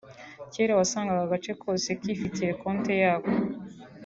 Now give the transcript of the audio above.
kera wasangaga agace kose kifitiye konti yako